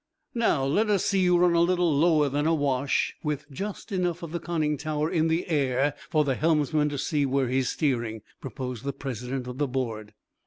"Now, let us see you run a little lower than awash, with just enough of the conning tower in the air for the helmsman to see where he is steering," proposed the president of the board.